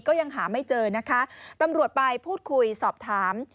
ก็ยังหาไม่เจอนะคะตำรวจไปพูดคุยสอบถาม